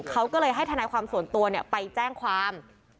เขาก็เลยให้ทนายความส่วนตัวไปแจ้งความ